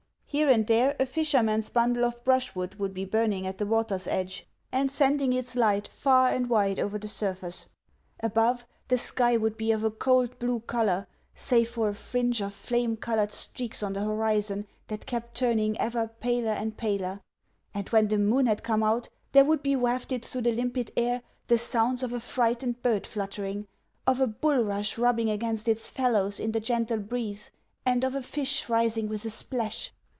Here and there a fisherman's bundle of brushwood would be burning at the water's edge, and sending its light far and wide over the surface. Above, the sky would be of a cold blue colour, save for a fringe of flame coloured streaks on the horizon that kept turning ever paler and paler; and when the moon had come out there would be wafted through the limpid air the sounds of a frightened bird fluttering, of a bulrush rubbing against its fellows in the gentle breeze, and of a fish rising with a splash.